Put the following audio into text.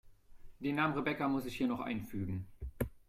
Den Namen Rebecca muss ich hier noch einfügen.